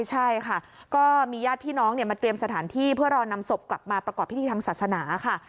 ใช่ค่ะก็มีญาติพี่น้องมาเตรียมสถานที่เพื่อรอนำศพกลับมาประกอบพิธีทางศาสนาค่ะ